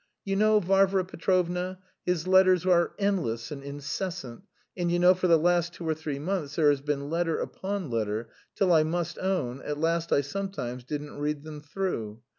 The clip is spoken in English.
You know, Varvara Petrovna, his letters are endless and incessant, and, you know, for the last two or three months there has been letter upon letter, till, I must own, at last I sometimes didn't read them through.